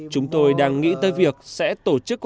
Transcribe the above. chúng tôi đang nghĩ tới việc sẽ tổ chức